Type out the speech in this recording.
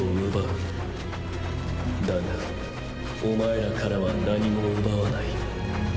だがお前らからは何も奪わない。